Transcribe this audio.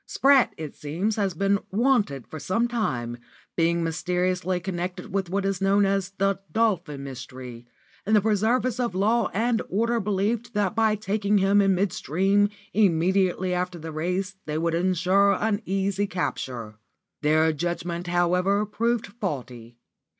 Spratt, it seems, has been 'wanted' for some time, being mysteriously connected with what is known as the 'Dolphin Mystery'; and the preservers of law and order believed that by taking him in mid stream, immediately after the race, they would ensure an easy capture. Their judgment, however, proved faulty.